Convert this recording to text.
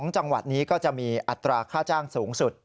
จังหวัดนี้ก็จะมีอัตราค่าจ้างสูงสุด